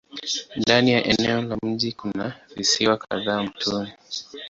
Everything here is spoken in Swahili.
Ndani ya eneo la mji kuna visiwa kadhaa mtoni.